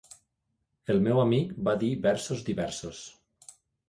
El meu amic va dir versos diversos.